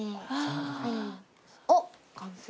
おっ完成。